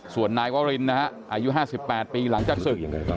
ส่วนนายวรินนะฮะอายุ๕๘ปีหลังจากศึก